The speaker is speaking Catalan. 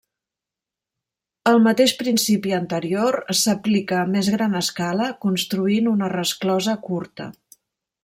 El mateix principi anterior s'aplica a més gran escala construint una resclosa curta.